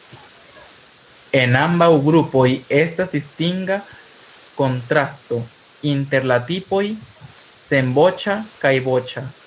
En ambaŭ grupoj estas distinga kontrasto inter la tipoj senvoĉa kaj voĉa.